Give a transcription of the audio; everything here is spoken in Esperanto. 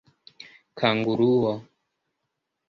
kanguruo